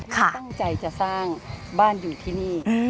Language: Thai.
ตั้งใจจะสร้างบ้านอยู่ที่นี่